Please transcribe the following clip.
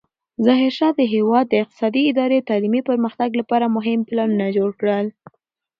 ظاهرشاه د هېواد د اقتصادي، اداري او تعلیمي پرمختګ لپاره مهم پلانونه جوړ کړل.